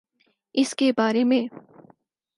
اس کے بارے میں